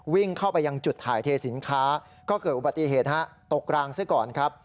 วิ่งเข้าไปยังจุดถ่ายเทสินค้าก็เกิดอุบัติเหตุฮะตกรางซะก่อนครับ